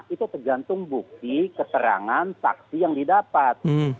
itu tergantung bukti keterangan saksi yang didapat